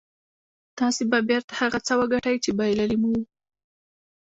تاسې به بېرته هغه څه وګټئ چې بايللي مو وو.